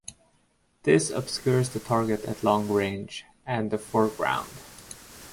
This obscures the target at long range and the foreground.